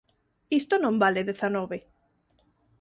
Isto non vale dezanove.